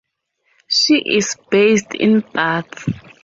She is based in Bath.